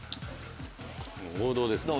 王道ですね。